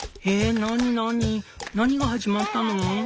何が始まったの？」。